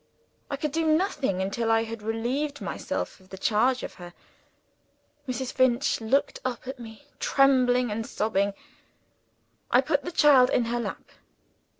I could do nothing until I had relieved myself of the charge of her. Mrs. Finch looked up at me, trembling and sobbing. I put the child in her lap.